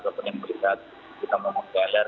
kita mau mengkeler